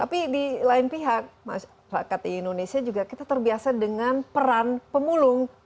tapi di lain pihak masyarakat di indonesia juga kita terbiasa dengan peran pemulung